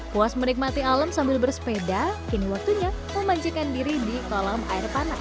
puas menikmati alam sambil bersepeda kini waktunya memanjakan diri di kolam air panas